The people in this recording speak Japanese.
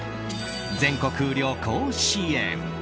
全国旅行支援。